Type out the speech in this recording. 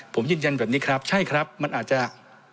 ผมยืนยันแบบนี้ครับใช่ครับมันอาจจะ